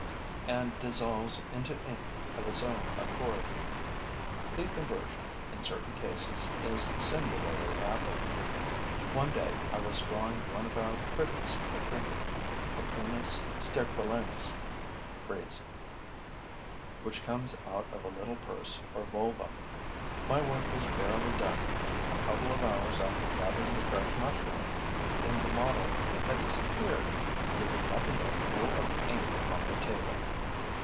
and dissolves into ink of its own accord. The conversion, in certain cases, is singularly rapid. One day, I was drawing one of our prettiest coprini (Coprinus sterquilinus, FRIES), which comes out of a little purse or volva. My work was barely done, a couple of hours after gathering the fresh mushroom, when the model had disappeared, leaving nothing but a pool of ink upon the table.